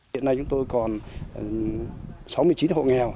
hiện nay chúng tôi còn sáu mươi chín hộ nghèo